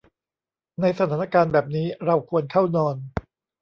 ในสถานการณ์แบบนี้ เราควรเข้านอน